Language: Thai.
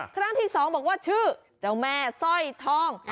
ครั้งที่๒บอกว่าชื่อเจ้าแม่สร้อยทอง